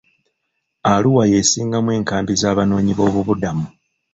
Arua y'esingamu enkambi z'abanoonyiboobubudamu.